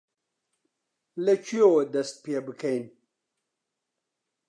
لەکوێوە دەست پێ بکەین؟